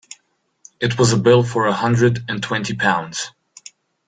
It was a bill for a hundred and twenty pounds.